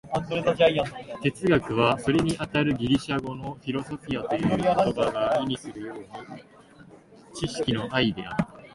哲学は、それにあたるギリシア語の「フィロソフィア」という言葉が意味するように、知識の愛である。